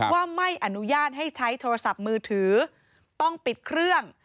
ว่าไม่อนุญาตให้ใช้โทรศัพท์มือถือต้องปิดเครื่อง